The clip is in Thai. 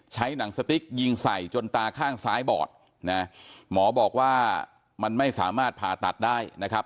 หนังสติ๊กยิงใส่จนตาข้างซ้ายบอดนะหมอบอกว่ามันไม่สามารถผ่าตัดได้นะครับ